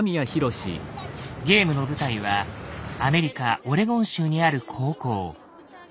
ゲームの舞台はアメリカオレゴン州にある高校。